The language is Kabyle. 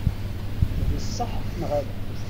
D sseḥ neɣ ala?